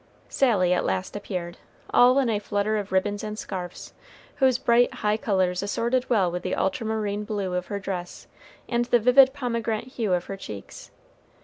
Sally at last appeared, all in a flutter of ribbons and scarfs, whose bright, high colors assorted well with the ultramarine blue of her dress, and the vivid pomegranate hue of her cheeks.